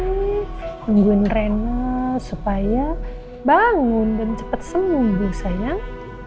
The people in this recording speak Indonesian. nungguin rena supaya bangun dan cepet sembunggu sayang